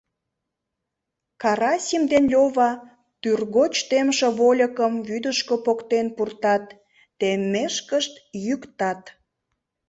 Карасим ден Лёва тӱргоч темше вольыкым вӱдышкӧ поктен пуртат, теммешкышт йӱктат.